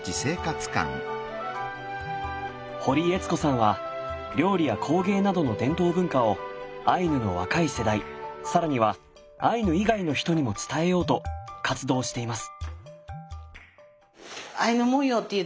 堀悦子さんは料理や工芸などの伝統文化をアイヌの若い世代更にはアイヌ以外の人にも伝えようと活動しています。